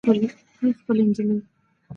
اې ښکلې نجلۍ